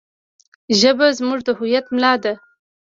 ژبه زموږ د هویت ملا ده.